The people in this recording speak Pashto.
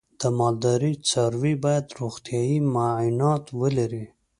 د مالدارۍ څاروی باید روغتیايي معاینات ولري.